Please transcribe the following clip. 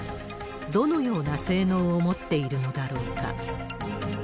どのような性能を持っているのだろうか。